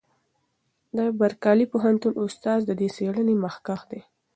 د برکلي پوهنتون استاد د دې څېړنې مخکښ دی.